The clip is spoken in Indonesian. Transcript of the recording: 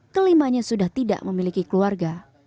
kelimanya sudah tidak memiliki keluarga